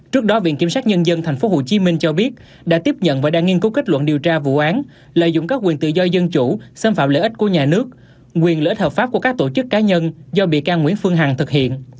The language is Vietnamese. trước đó viện kiểm sát nhân dân tp hcm cho biết đã tiếp nhận và đang nghiên cứu kết luận điều tra vụ án lợi dụng các quyền tự do dân chủ xâm phạm lợi ích của nhà nước quyền lợi ích hợp pháp của các tổ chức cá nhân do bị can nguyễn phương hằng thực hiện